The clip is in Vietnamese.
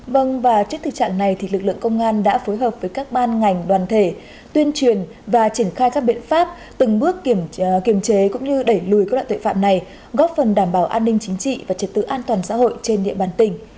vâng và trước thực trạng này thì lực lượng công an đã phối hợp với các ban ngành đoàn thể tuyên truyền và triển khai các biện pháp từng bước kiềm chế cũng như đẩy lùi các loại tội phạm này góp phần đảm bảo an ninh chính trị và trật tự an toàn xã hội trên địa bàn tỉnh